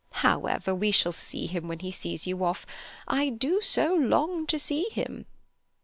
"However, we shall see him when he sees you off. I do so long to see him."